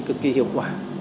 cực kỳ hiệu quả